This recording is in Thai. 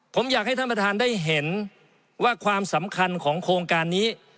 ผมอยากให้ท่านประธานได้เห็นว่าความสำคัญของโครงการนี้